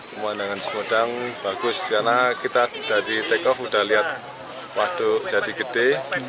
pemandangan semedang bagus karena kita dari take off sudah lihat waduk jadi gede